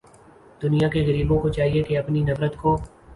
دنیا کے غریبوں کو چاہیے کہ اپنی نفرت کو